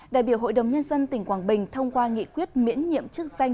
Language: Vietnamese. đại biểu hội đồng nhân dân tỉnh quảng bình thông qua nghị quyết miễn nhiệm chức danh